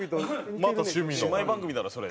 姉妹番組だろそれ。